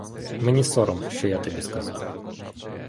Мені сором, що я тобі сказав.